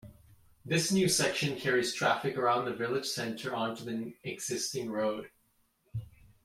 This new section carries traffic around the village centre onto the existing road.